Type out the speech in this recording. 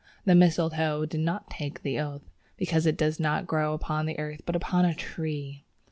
The Mistletoe did not take the oath, because it does not grow upon the earth but upon a tree.